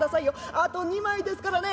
あと２枚ですからね」。